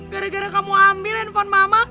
gara gara kamu ambil handphone mama